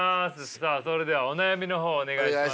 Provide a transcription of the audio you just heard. さあそれではお悩みの方お願いします。